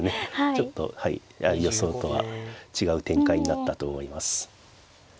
ちょっと予想とは違う展開になったと思います。